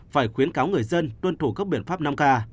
phải khuyến cáo người dân tuân thủ các biện pháp năm k